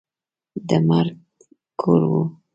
د مرګ کور وو.